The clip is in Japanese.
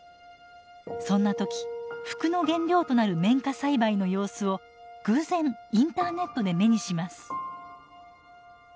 そんな時服の原料となる綿花栽培の様子を偶然インターネットで目にします。